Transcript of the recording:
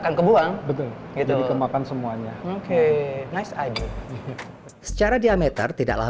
akan kebuang betul itu dikembangkan semuanya oke nice id secara diameter tidaklah